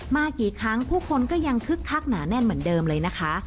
มากี่ครั้งผู้คนก็ยังคึกคักหนาแน่นเหมือนเดิมเลยนะคะ